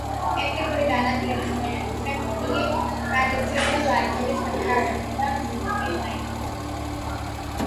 ტექნიკური განათლების მიღების შემდეგ იგი ტრადიციული ლაზური საკრავებით და მუსიკით დაინტერესდა.